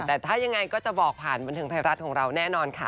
แต่ถ้ายังไงก็จะบอกผ่านบันเทิงไทยรัฐของเราแน่นอนค่ะ